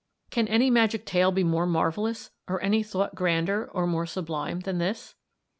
"Can any magic tale be more marvellous, or any thought grander, or more sublime than this?